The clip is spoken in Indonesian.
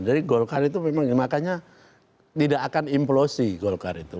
jadi golkar itu memang makanya tidak akan implosi golkar itu